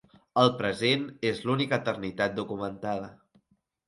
El present és l'única eternitat documentada.